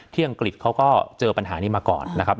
อังกฤษเขาก็เจอปัญหานี้มาก่อนนะครับ